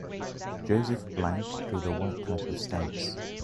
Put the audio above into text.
Joseph Blanc drew the White type of stamps.